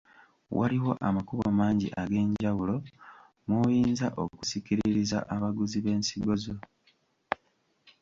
Waliwo amakubo mangi ag’enjawulo mw’oyinza okusikiririza abaguzi b’ensigo zo.